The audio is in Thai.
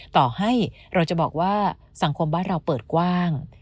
ต่อให้เราจะบอกว่าสังคมบ้านเราเปิดกว้าง